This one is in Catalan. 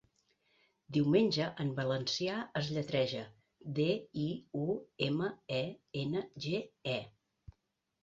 'Diumenge' en valencià es lletreja: de, i, u, eme, e, ene, ge, e.